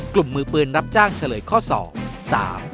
กลุ่มมือปืนรับจ้างเฉลยข้อสองสาม